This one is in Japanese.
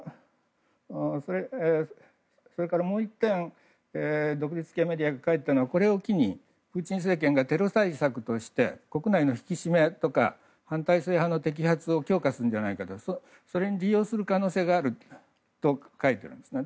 もう１点独立系メディアが書いたのはこれを機に、プーチン政権がテロ対策として国内の引き締めとか反体制派の摘発を強化するんじゃないかとかそれに利用する可能性があると書いているんですね。